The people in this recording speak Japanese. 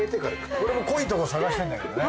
俺も濃いとこ探してるんだけどね。